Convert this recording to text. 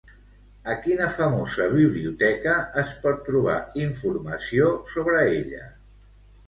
A quina famosa biblioteca es pot trobar informació sobre ella?